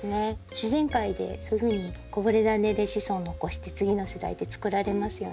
自然界でそういうふうにこぼれダネで子孫を残して次の世代ってつくられますよね。